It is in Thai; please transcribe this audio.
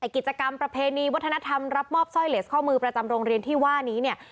กิจกรรมประเพณีวัฒนธรรมรับมอบสร้อยเลสข้อมือประจำโรงเรียนที่ว่านี้เนี่ย